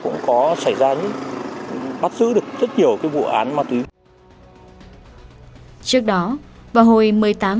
cũng có xảy ra bắt giữ được rất nhiều vụ án ma túy trước đó vào hồi một mươi tám h năm ngày một mươi sáu tháng hai năm hai nghìn hai mươi hai